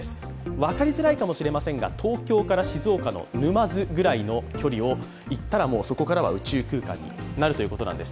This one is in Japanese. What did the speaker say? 分かりづらいかもしれませんが東京から静岡の沼津ぐらいの距離を行ったら、そこからは宇宙空間になるということです。